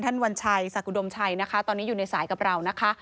วัญชัยสากุดมชัยนะคะตอนนี้อยู่ในสายกับเรานะคะ